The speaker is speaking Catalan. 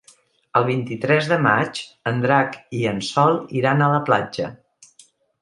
El vint-i-tres de maig en Drac i en Sol iran a la platja.